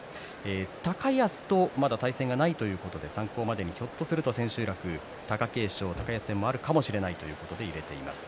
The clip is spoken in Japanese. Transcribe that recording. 高安とまだ対戦がないということで参考までにひょっとすると千秋楽高安、貴景勝戦があるかもしれないということで入れました。